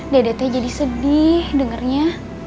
dedeh teh jadi sedih dengernya